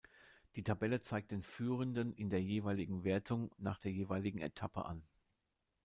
Die Tabelle zeigt den Führenden in der jeweiligen Wertung nach der jeweiligen Etappe an.